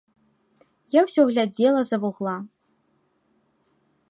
Я ўсё глядзела з-за вугла.